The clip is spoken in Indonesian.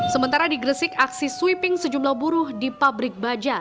sementara digresik aksi sweeping sejumlah buruh di pabrik baja